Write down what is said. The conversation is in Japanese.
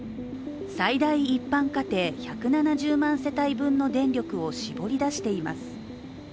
最大一般家庭１７０万世帯分の電力を絞り出しています。